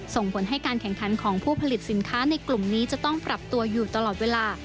ส่งผลให้การแข่งขันของผู้ผลิตสินค้าในกลุ่มนี้จะต้องปรับตัวอยู่ตลอดเวลา